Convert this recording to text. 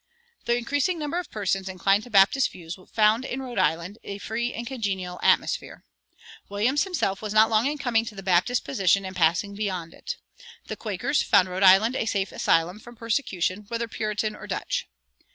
The increasing number of persons inclined to Baptist views found in Rhode Island a free and congenial atmosphere. Williams himself was not long in coming to the Baptist position and passing beyond it. The Quakers found Rhode Island a safe asylum from persecution, whether Puritan or Dutch.